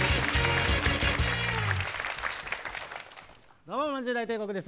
どうもまんじゅう大帝国です。